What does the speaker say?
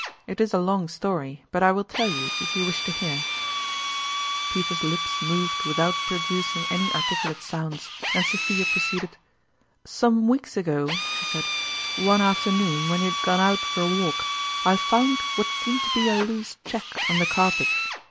It is a long story, but I will tell you if you wish to hear ?" Peter's lips moved without producing any articulate sounds, and Sophia proceeded :" Some weeks ago," she said, " one afternoon when you had gone out for a walk, I found what seemed to be a loose cheque on the carpet.